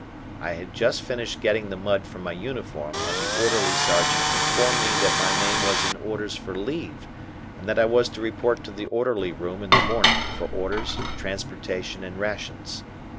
I had just finished getting the mud from my uniform when the Orderly Sergeant informed me that my name was in orders for leave, and that I was to report to the Orderly Room in the morning for orders, transportation, and rations.